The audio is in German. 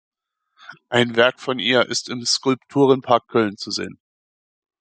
Ein Werk von ihr ist im Skulpturenpark Köln zu sehen.